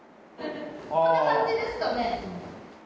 こんな感じですかね。